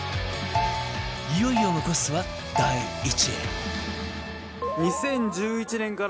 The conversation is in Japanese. いよいよ残すは第１位